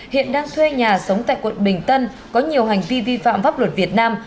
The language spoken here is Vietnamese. hiện đang thuê nhà sống tại quận bình tân có nhiều hành vi vi phạm pháp luật việt nam